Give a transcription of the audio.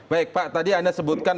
baik pak tadi anda sebutkan